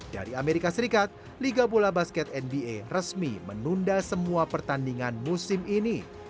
dari amerika serikat liga bola basket nba resmi menunda semua pertandingan musim ini